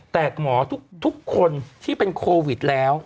แต่หมอทุกคนที่เป็นโควิดแล้ว